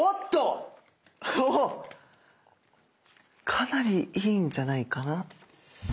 かなりいいんじゃないかな。